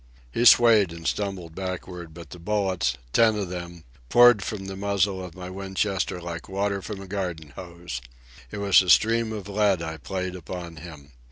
He swayed and stumbled backward, but the bullets—ten of them—poured from the muzzle of my Winchester like water from a garden hose. It was a stream of lead I played upon him.